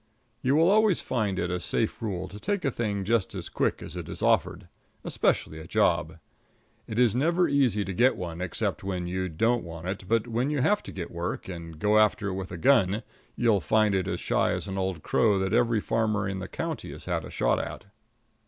You will always find it a safe rule to take a thing just as quick as it is offered especially a job. It is never easy to get one except when you don't want it; but when you have to get work, and go after it with a gun, you'll find it as shy as an old crow that every farmer in the county has had a shot at.